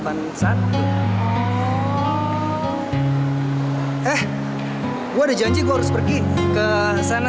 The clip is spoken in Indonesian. eh gue ada janji gue harus pergi ke sana